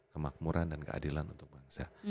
kemakmuran dan keadilan untuk bangsa